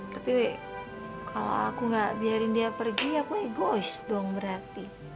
tapi kalau aku nggak biarin dia pergi aku egois dong berarti